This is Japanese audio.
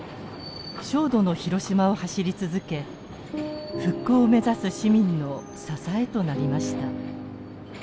焦土の広島を走り続け復興を目指す市民の支えとなりました。